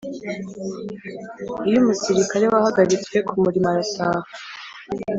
Iyo umusirikare wahagaritswe ku murimo arataha.